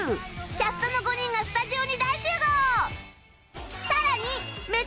キャストの５人がスタジオに大集合！